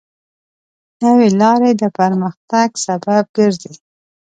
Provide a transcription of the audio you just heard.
نوې لارې د پرمختګ سبب ګرځي.